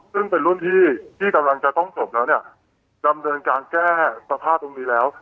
ซึ่งเป็นรุ่นพี่ที่กำลังจะต้องจบแล้วเนี่ยดำเนินการแก้สภาพตรงนี้แล้ว